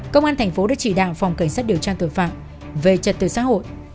công an thành phố đã chỉ đạo phòng cảnh sát điều tra tội phạm về trật tự xã hội